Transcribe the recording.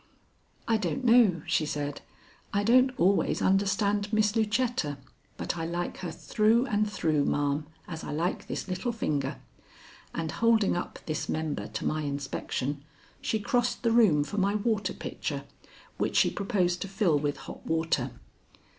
"I don't know," she said, "I don't always understand Miss Lucetta, but I like her through and through, ma'am, as I like this little finger," and holding up this member to my inspection, she crossed the room for my water pitcher, which she proposed to fill with hot water.